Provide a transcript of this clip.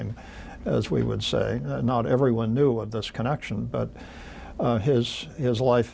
เมื่อพระโอรสที่พระราชสมภพที่นี่